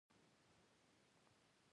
آیا کانالیزاسیون سیستم شته؟